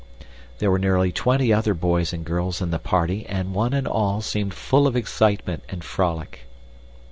There were nearly twenty other boys and girls in the party, and one and all seemed full of excitement and frolic.